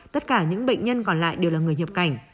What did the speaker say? tất cả những bệnh nhân còn lại đều là người nhập cảnh